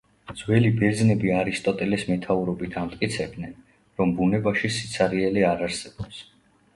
ძველი ბერძნები არისტოტელეს მეთაურობით ამტკიცებდნენ, რომ ბუნებაში სიცარიელე არ არსებობს.